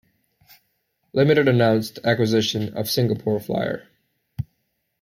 Limited announced the acquisition of Singapore Flyer.